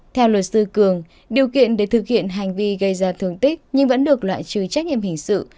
theo luật sư cường điều kiện để thực hiện hành vi gây ra thương tích nhưng vẫn được loại trừ trách nhiệm hình sự